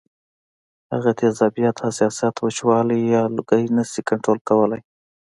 هغه تیزابیت ، حساسیت ، وچوالی یا لوګی نشي کنټرول کولی